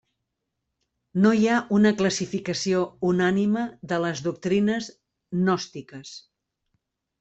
No hi ha una classificació unànime de les doctrines gnòstiques.